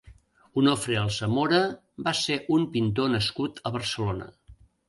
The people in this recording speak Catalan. Onofre Alsamora va ser un pintor nascut a Barcelona.